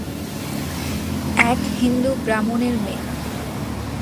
এক হিন্দু ব্রাহ্মণের মেয়ে।